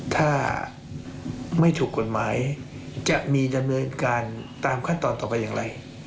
ถ้าไม่ถูกกฎหมายจะมีดำเนินการตามขั้นตอนต่อไปอย่างไร